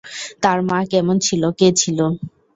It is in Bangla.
তার মা কেমন ছিল কে ছিল।